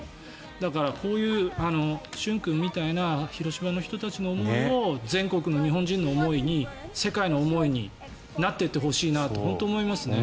だから、こういう駿君みたいな広島の人たちの思いを全国の日本人の思いに世界の思いになっていってほしいなと本当に思いますね。